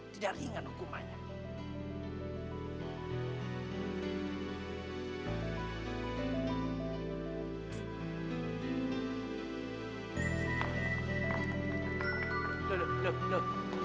tidak ringan hukumannya